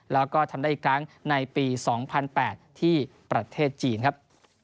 แล้วก็ทำได้อีกครั้งในปี๒๐๐๘ที่ประเทศจีนครับ